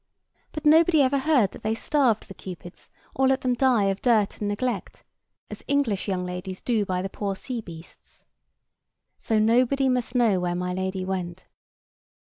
But nobody ever heard that they starved the Cupids, or let them die of dirt and neglect, as English young ladies do by the poor sea beasts. So nobody must know where My Lady went.